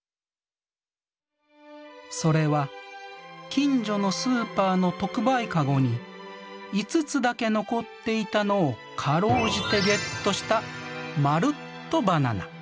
それは近所のスーパーの特売カゴに５つだけ残っていたのを辛うじてゲットしたまるっとバナナ。